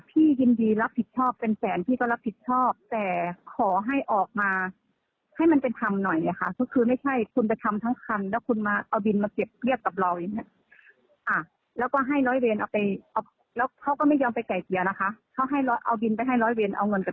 พี่ก็บอกว่าพี่จ่ายไม่ได้เพราะว่าไม่รู้ว่าตอนนั้นเขายังไม่ได้เอารถไปทำนะคะ